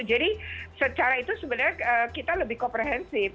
jadi secara itu sebenarnya kita lebih komprehensif